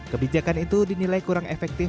kebijakan itu dinilai kurang efektif